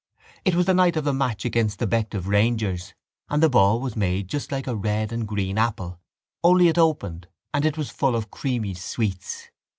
It was the night of the match against the Bective Rangers and the ball was made just like a red and green apple only it opened and it was full of the creamy sweets.